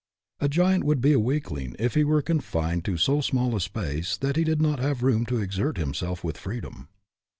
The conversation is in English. A giant would be a weakling if he were confined in so small a space that he did not have room to exert himself with freedom.